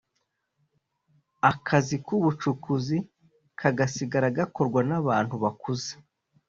akazi k’ubucukuzi kagasigara gakorwa n’abantu bakuze